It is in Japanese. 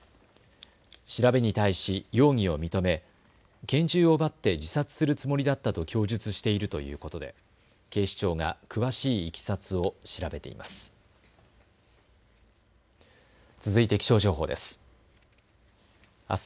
調べに対し容疑を認め拳銃を奪って自殺するつもりだったと供述しているということで警視庁が詳しいいきさつを調べています。